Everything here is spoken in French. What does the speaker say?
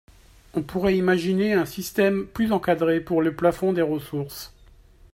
On pourrait imaginer un système plus encadré pour le plafond des ressources.